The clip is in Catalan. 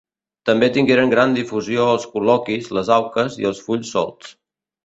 També tingueren gran difusió els col·loquis, les auques i els fulls solts.